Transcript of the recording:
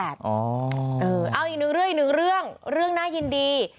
เอาอีกเรื่อยเรื่องเรื่องน่ายินดี